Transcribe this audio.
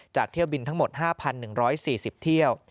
เที่ยวบินทั้งหมด๕๑๔๐เที่ยว